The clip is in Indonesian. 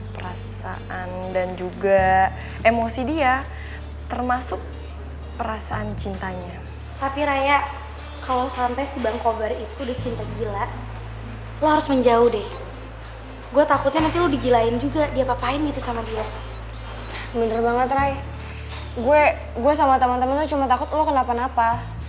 bener banget raya gue sama temen temen lo cuma takut lo kenapa napa